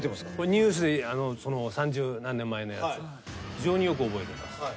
ニュースで三十何年前のやつ非常によく覚えてます。